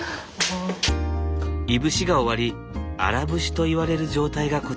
いぶしが終わり荒節といわれる状態がこちら。